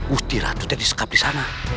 ustirahatnya disekap disana